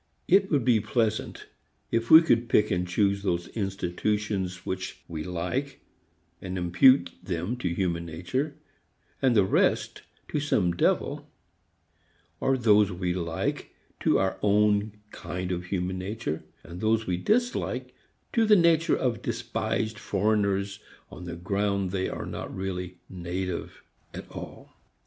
It would be pleasant if we could pick and choose those institutions which we like and impute them to human nature, and the rest to some devil; or those we like to our kind of human nature, and those we dislike to the nature of despised foreigners on the ground they are not really "native" at all.